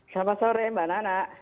selamat sore mbak nana